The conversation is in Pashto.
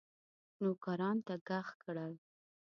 نوکرانو ته ږغ کړل.